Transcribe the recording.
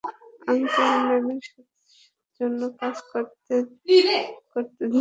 Uncle স্যামের জন্য কাজ করতে কখন যাব?